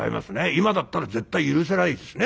今だったら絶対許せないですね